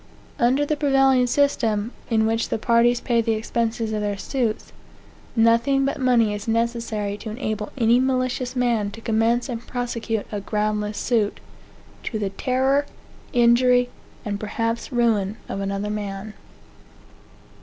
Under the prevailing system, in which the parties pay the expenses of their suits, nothing but money is necessary to enable any malicious man to commence and prosecute a groundless suit, to the terror, injury, and perhaps ruin, of another man.